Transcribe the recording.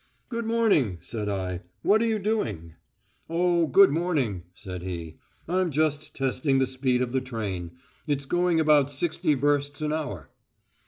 "Good morning," said I. "What are you doing?" "Oh, good morning," said he. "I'm just testing the speed of the train; it's going about sixty versts an hour."